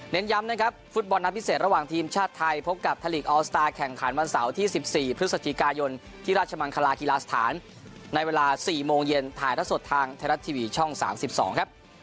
ย้ำนะครับฟุตบอลนัดพิเศษระหว่างทีมชาติไทยพบกับไทยลีกออสตาร์แข่งขันวันเสาร์ที่๑๔พฤศจิกายนที่ราชมังคลากีฬาสถานในเวลา๔โมงเย็นถ่ายละสดทางไทยรัฐทีวีช่อง๓๒ครับ